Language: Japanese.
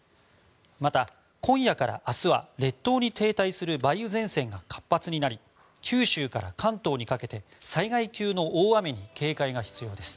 また今夜から明日は列島に停滞する梅雨前線が活発になり九州から関東にかけて災害級の大雨に警戒が必要です。